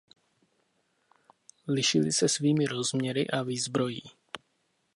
Lišily se svými rozměry a výzbrojí.